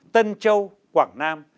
tân châu quảng nam